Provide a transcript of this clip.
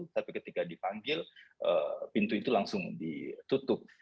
tapi ketika dipanggil pintu itu langsung ditutup